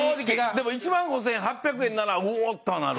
でも１万５８００円なら「おお！」とはなる。